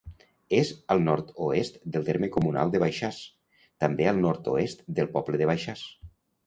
És al nord-oest del terme comunal de Baixàs, també al nord-oest del poble de Baixàs.